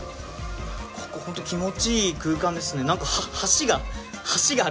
ここホント気持ちいい空間ですね。